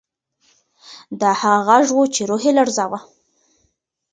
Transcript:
دا هغه غږ و چې روح یې لړزاوه.